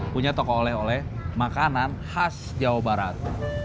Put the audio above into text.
punya toko oleh oleh makanan khas jawa barat